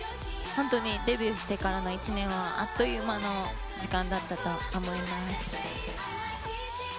本当にデビューしてからの１年はあっという間の時間だったと思います。